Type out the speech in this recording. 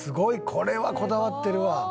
これはこだわってるわ。